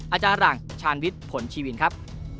อาจารย์หลังชาญวิทย์ผลชีวินครับ